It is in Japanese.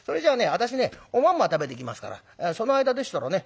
私ねおまんま食べてきますからその間でしたらね